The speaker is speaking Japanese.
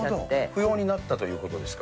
不要になったということですか。